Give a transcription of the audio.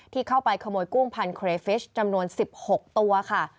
ที่เข้าไปขโมยกุ้งพันธุเครฟิชจำนวน๑๖ตัวค่ะ